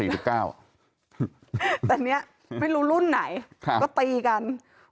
แต่เนี่ยไม่รู้รุ่นไหนก็ตีกัน